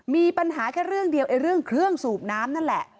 มีปัญหาแค่เรื่องเดียวไอ้เรื่องเครื่องสูบน้ำนั่นแหละ